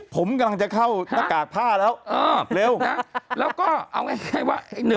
ผมกำลังจะเข้าหน้ากากผ้าแล้วเร็ว